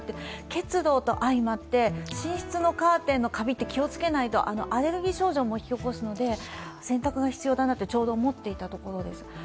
結露と相まって寝室のカーテンのカビって気をつけないとアレルギー症状も引き起こすので洗濯が必要だなと、ちょうど思っていたところです。